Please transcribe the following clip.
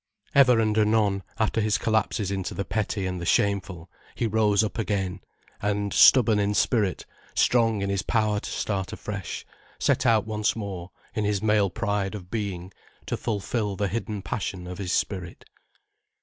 Ever and anon, after his collapses into the petty and the shameful, he rose up again, and, stubborn in spirit, strong in his power to start afresh, set out once more in his male pride of being to fulfil the hidden passion of his spirit.